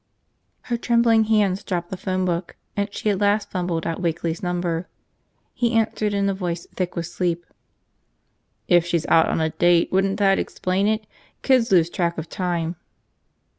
..?" Her trembling hands dropped the phone book, and she at last fumbled out Wakeley's number. He answered in a voice thick with sleep. "If she's out on a date, wouldn't that explain it? Kids lose track of time."